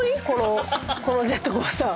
このジェットコースター。